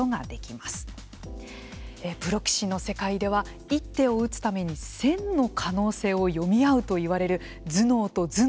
プロ棋士の世界では一手を打つために１，０００の可能性を読み合うといわれる頭脳と頭脳のぶつかり合いです。